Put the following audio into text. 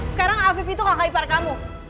sekarang afif itu kakak ipar kamu